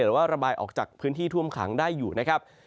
หรือว่าระบายออกจากพื้นที่ท่วมขังได้อยู่นะครับ